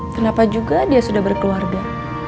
kenapa juga dia sudah berkeluarga